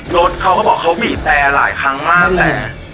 รถเค้าก็บอกเค้าบีบแตแหล่ะหลายครั้งมากแหละ